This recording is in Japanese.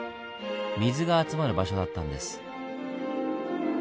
水が集まる場所だったんです。